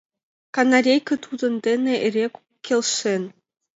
Канарейке тудын дене эре келшен: